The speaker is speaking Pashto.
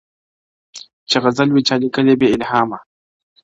چي غزل وي چا لیکلی بې الهامه,